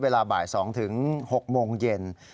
เวลาบ่าย๒ถึง๖โมงเย็น